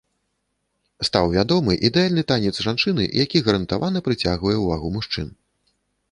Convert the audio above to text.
Стаў вядомы ідэальны танец жанчыны, які гарантавана прыцягвае ўвагу мужчын.